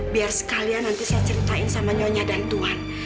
biar sekalian nanti saya ceritain sama nyonya dan tuhan